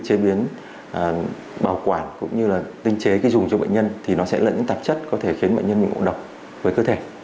cái chế bệnh nhân bảo quản cũng như là tinh chế cái dùng cho bệnh nhân thì nó sẽ là những tạp chất có thể khiến bệnh nhân bị ngộ độc với cơ thể